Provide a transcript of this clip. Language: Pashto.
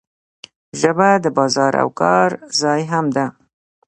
ژبه د بازار او کار ځای هم ده.